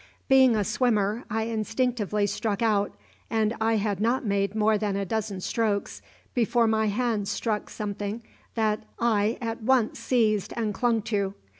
"Being a swimmer, I instinctively struck out, and I had not made more than a dozen strokes before my hands struck something that I at once seized and clung to.